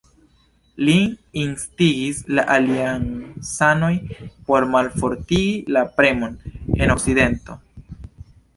Lin instigis la aliancanoj por malfortigi la premon en okcidento.